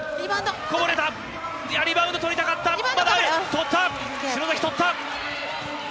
こぼれた、リバウンド取りたかった、取った！